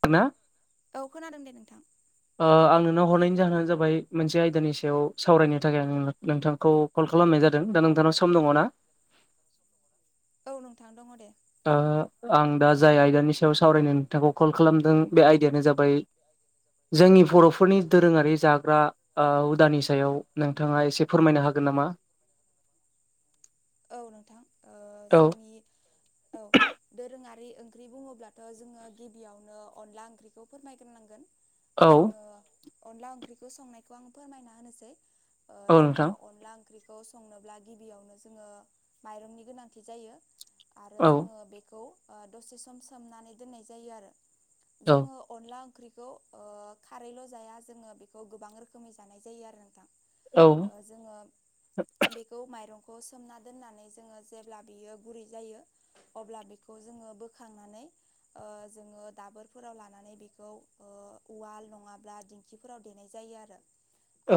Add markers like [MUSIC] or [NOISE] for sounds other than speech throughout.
[UNINTELLIGIBLE] औ खोनादोंदे नोंथां ओ आं नोंनाव हरनायनि जाहोनानो जाबाय मोनसे आयदानि सायाव सावरायनो थाखाय आं नोंथांखौ कल खालामनाय जादों दा नोंथांनाव सम दङ ना औ नोंथां दंङ दे दा आं दा जाय आयदानि सायाव आं सावरायनो नोंथांखौ दा कल जाय खालामदों बे आयदानि आयदायानो सायाव जाबाय सावरायदों आंखौ कल जोंनि खालामदों बर'फोरनि बे दोरोङारि आयदायानो जाग्रा जाबाय ओ जोंनि हुदानि बर'फोर सायाव दोरोङारि नोंथाङा जाग्रा एसे ओ फोरमायनो हागोन हुदानि नामा सायाव नोंथांमोना एसे फोरमायनो हागोन नामा औ नोंथां ओ जोंनि औ दोरोङारि ओंख्रि बुङोब्ला दा जोंङो गिबियावनो अनला ओंख्रिखौ औ जोंङो अनला ओंख्रिखौ संनायखौ आं फोरमायना होनोसै ओ औ जोंङो नोंथां अनला ओंख्रिखौ संनोब्ला गिबियावनो जोंङो माइरंनि गोनांथि जायो आरो औ जोंङो बेखौ ओ दसे सम सोमनानै दोननाय जायो आरो औ जोंङो अनला ओंख्रिखौ ओ खारैल' जाया जोंङो बेखौ गोबां रोखोमै जानाय जायो आरो नोंथां औ। ओ जोङो बेखौ माइरंखौ सोमना दोननानै जोङो जेब्ला बेयो गुरै जायो अब्ला बेखौ जोङो बोखांनानै ओ जोङो दाबोरफोराव लानानै बेखौ ओ उवाल नङाब्ला दिं खिफोराव देनाय जायो आरो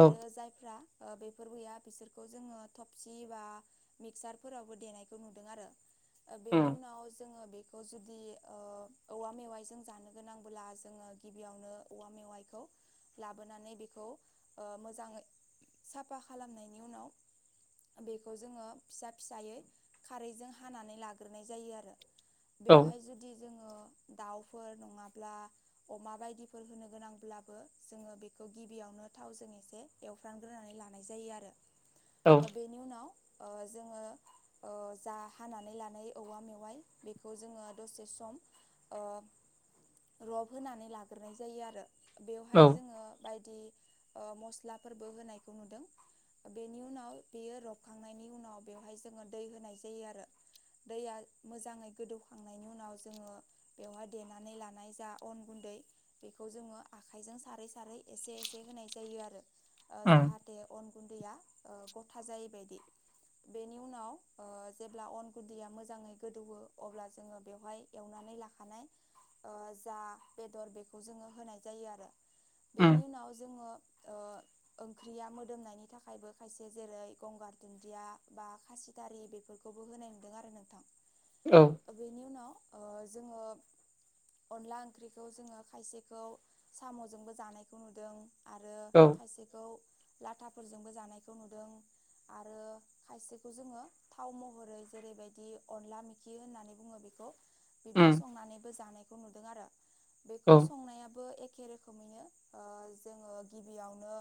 औ जायफ्रा ओ बेफोर गैया बिसोरखौ जोङो थबसि बा मिक्सारफोरावबो देनायखौ नुदों आरो। ओ बेनि उम उनाव जोङो बेखौ जुदि ओ औवा मेवाइजों जानो गोनांबोला जोङो गिबियावनो औवा मेवाइखौ लाबोनानै बेखौ ओ मोजाङै साफा खालामनायनि उनाव बेखौ जोङो फिसा फिसायै खारैजों हानानै लाग्रोनाय जायो आरो औ बेवहाय जुदि जोङो दाउफोर नङाब्ला अमा बायदिफोर होनो गोनांब्लाबो जोङो बेखौ गिबियावनो थावजों एसे एवफ्रामग्रोनानै लानाय जायो आरो। औ। ओ बेनि उनाव ओ जोङो ओ जा हानानै लानाय औवा मेवाइ बेखौ जोङो दसे सम ओ रब होनानै लाग्रोनाय जायो आरो। औ बेवहाय जोङो बायदि ओ मस्लाफोरबो होनायखौ नुदों। बेनि उनाव बेयो रबखांनायनि उनाव बेवहाय जोङो दै होनाय जायो आरो। दैया मोजाङै गोदौखांनायनि उनाव जोङो बेवहाय देनानै लानाय जा अन गुन्दै बेखौ जोङो आखाइजों सारै सारै एसे एसे होनाय जायो आरो ओ उम जाहा ते अन गुन्दैया ओ गथा जायै बादि। बेनि उनाव ओ जेब्ला अन गुन्दैया मोजाङै गोदौवो अब्ला जोङो बेवहाय एवनानै लाखानाय ओ जा बेदर बेखौ जोङो होनाय जायो आरो। उम बेनि उनाव जोङो ओ ओंख्रिया मोदोमनायनि थाखायबो खायसे जेरै गंगार दुन्दिया बा खासि थारि बेफोरखौबो होनाय नुदों आरो नोंथां। औ। ओ बेनि उनाव ओ जोङो अनला ओंख्रिखौ जोङो खायसेखौ साम'जोंबो जानायखौ नुदों आरो औ खायसेखौ लाथाफोरजोंबो जानायखौ नुदों आरो खायसेखौ जोङो थाव महरै जेरैबायदि अनला मेखि होननानै बुङो बेखौ बिब्दि उम संनानैबो जानायखौ नुदों आरो बेखौ औ संनायाबो एखे रोखोमैनो ओ जोङो गिबियावनो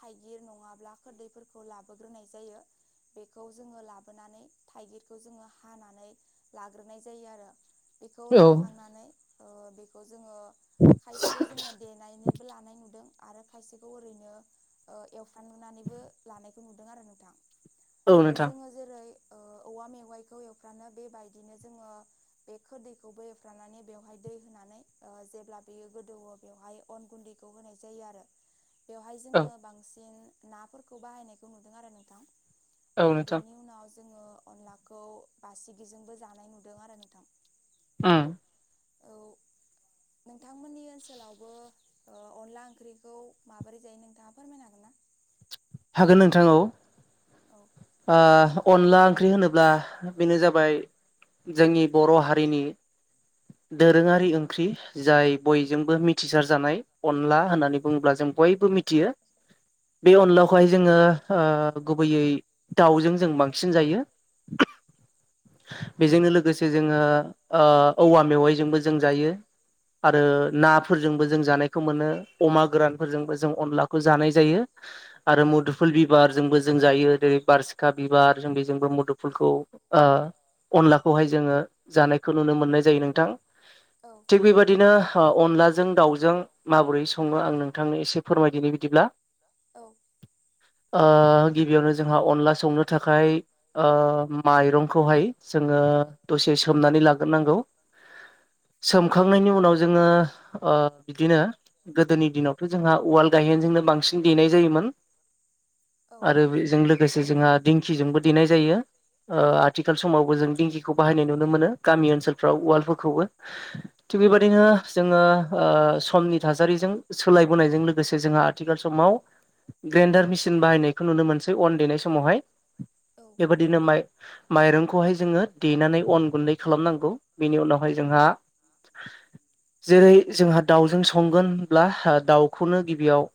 थाइगिर नङाब्ला खोरदैफोरखौ लाबोग्रोनाय जायो। बेखौ जोङो लाबोनानै थाइगिरखौ जोङो हानानै लाग्रोनाय जायो आरो। बेखौ औ लाखांनानै ओ बे खौ जोङो खायसेखौ जोङो देनानैबो लानाय नुदों आरो खायसेखौ ओरैनो ओ एवफ्रामनानैबो लानायखौ नुदों आरो नोंथां। औ ओ नोंथां जोङो जेरै ओ औवा मेवाइखौ एवफ्रानो बेबायदिनो जोङो बे खोरदैखौबो एवफ्रामनानै बेवहाय दै होनानै ओ जेब्ला बेयो गोदौवो बेवहाय अन गुन्दै खौ होनाय जायो आरो। बेवहाय औ जोङो बांसिन नाफोरखौ बाहायनायखौ नुदों आरो नोंथां। ओ औ नोंथां बेनि उनाव जोङो अनलाखौ बासिगिजोंबो जानाय नुदों आरो नोंथां। ओम औ नोंथांमोननि ओनसोलावबो ओ अनला ओंख्रिखौ माबोरै जायो नोंथाङा फोरमायनो हागोन ना? हागोन नोंथां औ। औ ओ अनला ओंख्रि होनोब्ला बेनो जाबाय जोंनि बर' हारिनि दोरोङारि ओंख्रि जाय बयजोंबो मिथिसारजानाय अनला होननानै बुङोब्ला जों बयबो मिथियो। बे अ औ खौहाय जोङो ओ गुबैयै दाउजों जों बांसिन जायो। बेजोंनो लोगोसे जोङो ओ औवा मेवाइजोंबो जों जायो। आरो नाफोरजोंबो जों जानायखौ मोनो अमा गोरानफोरजोंबो जों अनलाखौ जानाय जायो। आरो मुदुफुल बिबारजोंबो जों जायो। जेरै बारसिखा बिबार जों बेजों मुदुफुलखौ ओ अनलाखौहाय जोङो जानाय खौ नुनो मोननाय जायो नोंथां औ थिग बेबायदिनो अनलाजों दाउजों माबोरै सङो आं नोंथांनो एसे फोरमायदिनि बिदिब्ला। औ ओ गिबियावनो जोंहा अनला संनो थाखाय ओ माइरंखौहाय जोङो दसे सोमनानै लाग्रोनांगौ। सोमखांनायनि उनाव जोङो ओ बिदिनो गोदोनि दिनावथ' जोंहा उवाल गायेनजोंनो बांसिन देनाय जायोमोन। [INAUDIBLE] औ आरो बेजों लोगोसे जोंहा दिंखिजोंबो देनाय जायो। ओ आथिखाल समावबो जों दिंखिखौ बाहायनाय नुनो मोनो गामि ओनसोलफ्राव उवालफोरखौबो। थिग बेबायदिनो जोङो ओ समनि थासारिजों सोलायबोनायजों लोगोसे जोंहा आथिखाल समाव [UNINTELLIGIBLE] ग्रेनडार मिसिन बाहाय नायखौ नुनो मोनोसै अन देनाय समावहाय बेबायदिनो माइ माइरंखौहाय जोङो देनानै अन गुन्दै खालामनांगौ बिनि उनावहाय जोंहा जेरै जोंहा दाउजों संगोनब्ला दाउखौनो गिबियाव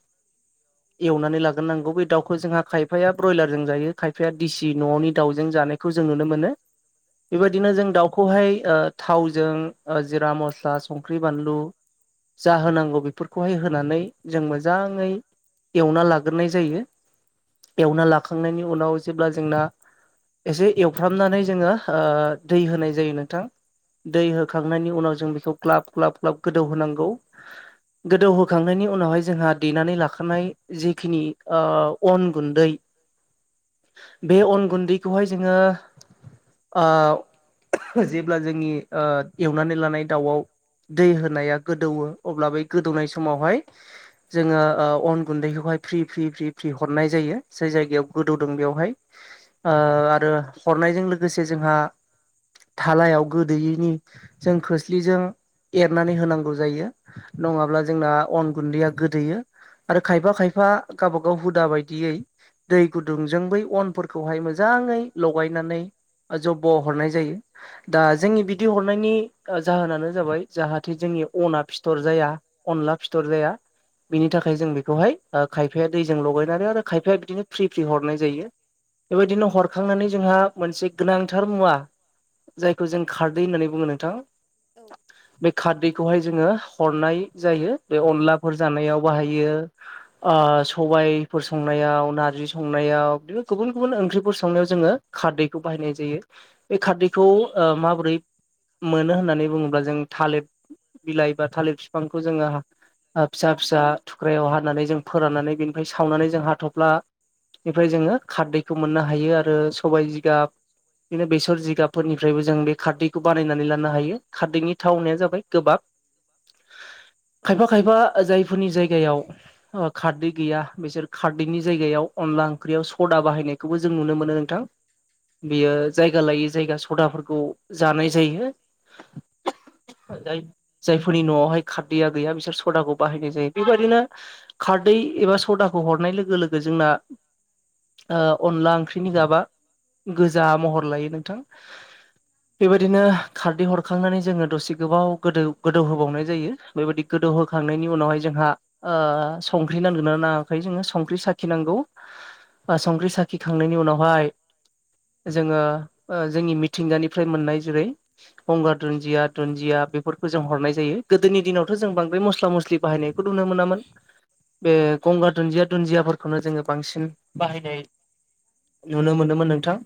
एवनानै लागोनांगौ बे दावखौ जोंहा खायफाया ब्रयलारजों जायो खायफाया दिसि न'नि दाउजों जानायखौ जों नुनो मोनो। औ बेबायदिनो जों दाउखौहाय ओ थावजों जिरा मस्ला संख्रि बानलु जा होनांगौ बेफोरखौहाय होनानै जों मोजाङै एवना लाग्रोनाय जायो। एवना लाखांनायनि उनाव जेब्ला जोंना एसे एवफ्रामनानै जोङो ओ दै होनाय जायो नोंथां दै औ होखांनायनि उनाव जों बेखौ ग्लाब ग्लाब ग्लाब गोदौ होनांगौ गोदौहोखांनायनि उनावहाय जोंहा देनानै लाखानाय जिखिनि ओ अन गुन्दै फिस बे अन गुन्दैखौहाय जोङो ओ जेब्ला जोंनि ओ एवनानै लानाय दाउआव दै होनाया गोदौओ अब्ला बे गोदौनाय समावहाय जोङो अन गुन्दैखौ बेहाय फ्रि फ्रि फ्रि हरनाय जायो जाय जायगायाव गोदौदों बेवहाय ओ आरो हरनायजों लोगोसे जोंहा थालायाव गोदोयैनि जों खोस्लिजों एरनानै होनांगौ जायो। नङाब्ला जोंना अन गुन्दैया गोदैयो। आरो खायफा खायफा गावबागाव हुदा बायदियै दै गुदुंजों बै अनफोरखौहाय मोजाङै लगायनानै ओ जब्ब' हरनाय जायो। दा जोंनि बिदि हरनायनि ओ जाहोनानो जाबाय जाहाथे जोंनि अना फिथर जाया। अनला फिथर जाया बिनि औ थाखाय जों बेखौहाय ओ खायफाया दैजों लगायनानै आरो खायफाया बिदिनो फ्रि फ्रि हरनाय जायो। बेबायदिनो हरखांनानै जोंहा मोनसे गोनांथार मुवा जायखौ जों खारदै होननानै बुङो नोंथां। बे खारदैखौहाय जोङो हरनाय जायो बे अनलाफोर जानायाव बाहायो। ओ सबाइफोर संनायाव, नारजि संनायाव, बिदिनो गुबुन गुबुन ओंख्रिफोर संनायाव जोङो खारदैखौ बाहायनाय जायो बे खारदैखौ ओ माबोरै मोनो होननानै बुङोब्ला जों थालिर बिलाइ बा थालिरि बिफांखौ जोङो ओ फिसा फिसा थुख्रायाव हानानै जों फोराननानै बेनिफ्राय सावनानै जों हाथफ्ला बेनिफ्राय जोङो खारदैखौ मोननो हायो आरो सबाय जिगाब बिदिनो बेसर जिगाबफोरनिफ्रायबो जों बे खारदैखौ बानायनानै लानो हायो खारदैनि थावनाया जाबाय गोबाब। गोबाब। खायफा खायफा जायफोरनि जायगायाव अ' खारदै गैया बिसोर खारदैनि जायगायाव अनला ओंख्रियाव सदा बाहायनायखौबो जों नुनो मोनो नोंथां। बियो जायगा लायै जायगा सदाफोरखौ जानाय जायो। [INAUDIBLE] जाय-जायफोरनि न'आवहाय खारदैया गैया बिसोर सदाखौ बाहायनाय जायो बेबायदिनो खारदै एबा सदाखौ हरनाय लोगो लोगो जोंना ओ अनला ओंख्रिनि गाबा गोजा महर लायो नोंथां। [UNINTELLIGIBLE] बेबायदिनो खारदै हरखांनानै जोङो दसे गोबाव गोदो गोदौ होबावनाय जायो। बेबायदि गोदौहोखांनायनि उनावहाय जोंहा ओ संख्रि नांदोंना नाङाखै जोङो संख्रि साखिनांगौ। ओ संख्रि साखिखांनायनि उनावहाय जोङो ओ जोंनि मिथिंगानिफ्राय मोननाय जेरै गंगार दुन्दिया दुन्दिया बेफोरखौ जों हरनाय जायो गोदोनि दिनावथ' जों बांद्राय मस्ला मस्लि बाहायनाय खौ नुनो मोनामोन। बे गंगार दुन्दिया दुन्दियाफोरखौनो जोङो बांसिन बाहायनाय नुनो मोनोमोन नोंथां।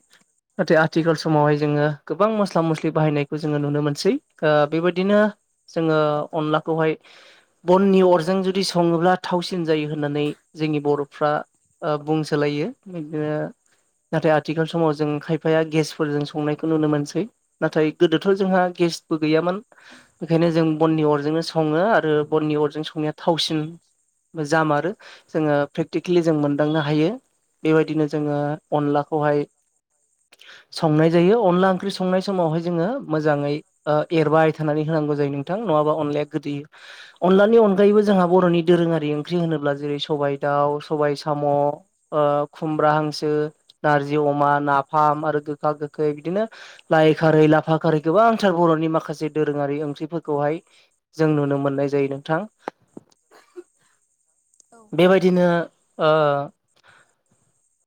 नाथाय आथिखाल औ समावहाय जोङो गोबां मस्ला मस्लि बाहायनायखौ जोङो नुनो मोनसै ओ बेबायदिनो जोङो अनलाखौहाय बननि अरजों जुदि सङोब्ला थावसिन जायो होननानै जोंनि बर'फ्रा ओ बुंसोलायो इदिनो नाथाय आथिखाल समाव जों खायफाया गेसफोरजों संनायखौ नुनो मोनसै। नाथाय गोदोथ' जोंहा गेसबो गैयामोन। बेखायनो जों बननि अरजोंनो सङो आरो बननि अरजों संनाया थावसिन जामारो जोङो प्रेकटिकेलि जों मोनदांनो हायो। बेबायदिनो जोङो अनलाखौहाय संनाय जायो अनला ओंख्रि संनाय समावहाय जोङो मोजाङै ओ एरबाय थानानै होनांगौ जायो नोंथां नङाबा अनलाया गोदोयो। अनलानि अनगायैबो जोंहा बर'नि दोरोङा रि ओंख्रि होनोब्ला जेरै सबाय दाउ सबाय साम' ओ खुमब्रा हांसो नार्जि अमा नाफाम आरो गोखा गोखै बिदिनो लाइ खारै लाफा खारै गोबांथार बर'नि माखासे दोरोङारि ओंख्रिफोरखौहाय जों नुनो मोननाय जायो नोंथां। जों नुनो मोननाय जायो नोंथां औ। बेबायदिनो ओ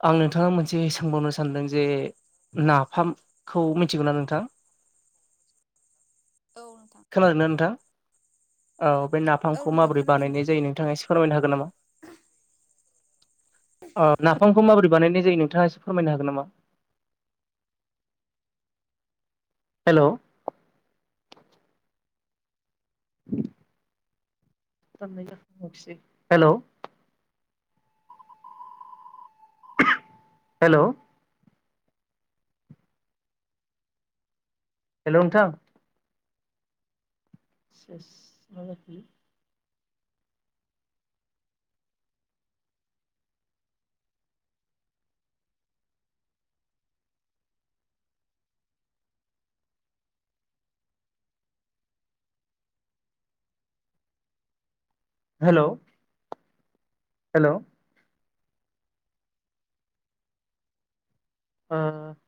आं नोंथाङा मोनसे सोंबावनो सानदों जे नाफामखौ मिथिगो ना नोंथां? मिथिगो ना नोंथां औ नोंथां। खोनादों ना नोंथां औ बे औ नाफामखौ नोंथां माबोरै खोनादों दे बानायनाय जायो नोंथाङा एसे फोरमायनो हागोन नामा? अ नाफामखौ माबोरै बानायनाय जायो नोंथाङा एसे फोरमायनो हागोन नामा? हेल'। [INAUDIBLE] [UNINTELLIGIBLE] हेल'। हेल'। हेल' नोंथां। [UNINTELLIGIBLE] हेल'। हेल'। ओ